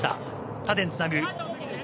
縦につなぐ。